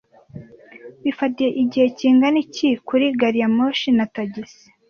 Bifata igihe kingana iki kuri gariyamoshi na tagisi?